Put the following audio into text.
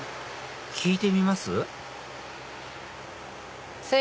聞いてみます？